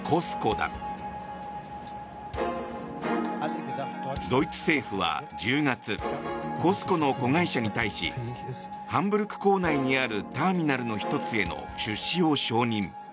ドイツ政府は、１０月ＣＯＳＣＯの子会社に対しハンブルク港内にあるターミナルの１つへの出資を承認。